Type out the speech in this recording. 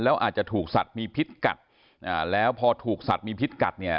แล้วอาจจะถูกสัตว์มีพิษกัดอ่าแล้วพอถูกสัตว์มีพิษกัดเนี่ย